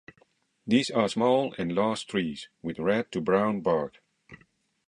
These are small and large trees, with red to brown bark.